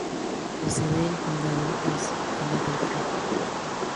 La sede del condado es Philadelphia.